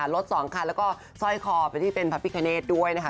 รถ๒คันแล้วก็สร้อยคอเป็นที่เป็นพราพิกาเนสด้วยนะคะ